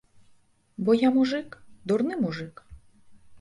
Бо я мужык, дурны мужык.